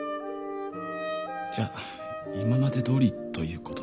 じゃ今までどおりということですな。